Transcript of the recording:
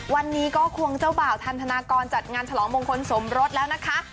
วันนี้ก็ควงเจ้าบ่าวทันธนากรจัดงานฉลองมงคลสมรสแล้วนะคะ